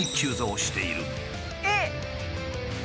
えっ！